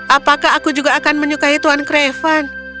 apakah aku juga akan menyukai tuan craven